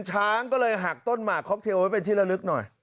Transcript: ช้างก็เลยหักต้นหมากค็อกเทลไว้เป็นที่ละลึกหน่อย